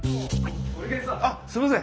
あっすいません。